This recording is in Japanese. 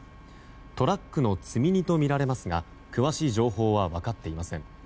トラックの積み荷とみられますが詳しい情報は分かっていません。